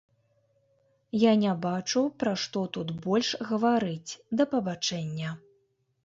Я не бачу, пра што тут больш гаварыць, да пабачэння.